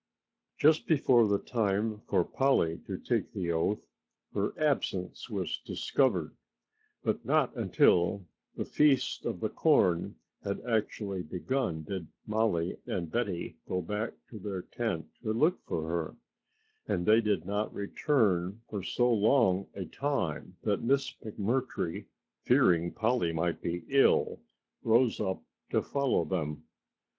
Just before the time for Polly to take the oath her absence was discovered, but not until the feast of the corn had actually begun did Mollie and Betty go back to their tent to look for her and they did not return for so long a time that Miss McMurtry, fearing Polly might be ill, rose up to follow them.